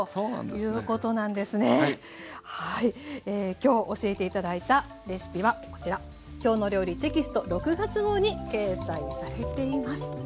今日教えて頂いたレシピはこちら「きょうの料理」テキスト６月号に掲載されています。